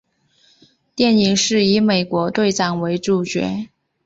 电影是以美国队长为主角。